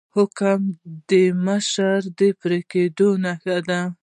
حکم د مشر د پریکړې نښه ده